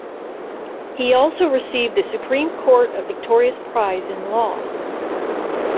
He also received the Supreme Court of Victoria's Prize in Law.